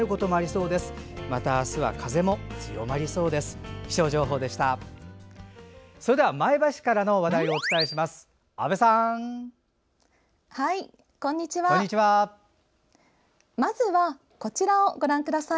それでは前橋からの話題をお伝えします。